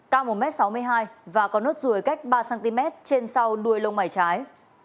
cao một m sáu mươi hai và có nốt ruồi cách ba cm trên sau đuôi lông mày trái